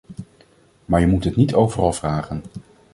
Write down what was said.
Maar je moet het niet overal vragen.